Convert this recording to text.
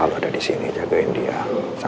sudah dong sa